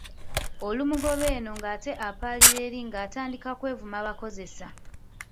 Olumugoba eno ng'ate apaalira eri nga atandika kwevuma bakozesa.